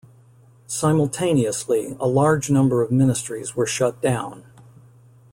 Simultaneously, a large number of ministries were shut down.